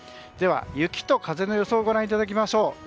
では雪と風の予想をご覧いただきましょう。